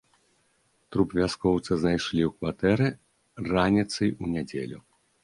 Труп вяскоўца знайшлі ў кватэры раніцай у нядзелю.